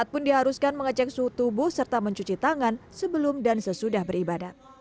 pun diharuskan mengecek suhu tubuh serta mencuci tangan sebelum dan sesudah beribadah